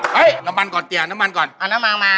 เฮ่ยน้ำมันออกเตี๊ยวน้ำมังมา